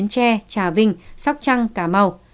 trà vinh sóc trăng cà mau